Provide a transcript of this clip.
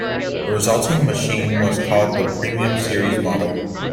The resulting machine was called the "Premium Series" model.